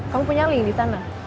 kamu punya link di sana